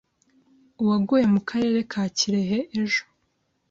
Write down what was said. uwaguye mu Karere ka Kirehe ejo